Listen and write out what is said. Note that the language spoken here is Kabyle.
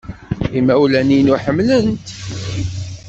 Imawlan-inu ḥemmlen-t.